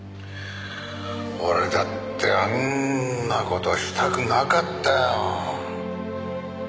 俺だってあんな事したくなかったよ。